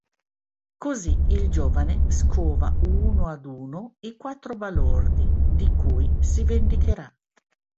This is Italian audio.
Così il giovane scova uno ad uno i quattro balordi di cui si vendicherà.